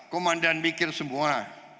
komandan mikir semua